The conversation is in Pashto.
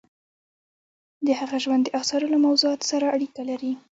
د هغه ژوند د اثارو له موضوعاتو سره اړیکه لري.